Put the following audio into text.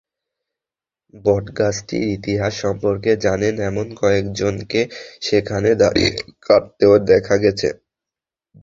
বটগাছটির ইতিহাস সম্পর্কে জানেন, এমন কয়েকজনকে সেখানে দাঁড়িয়ে কাঁদতেও দেখা গেছে।